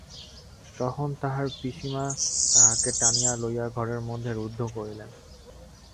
তখন তাহার পিসিমা তাহাকে টানিয়া লইয়া ঘরের মধ্যে রুদ্ধ করিলেন।